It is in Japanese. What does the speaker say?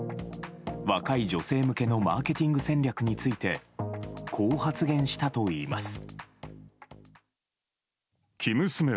若い女性向けのマーケティング戦略についてこう発言したといいます。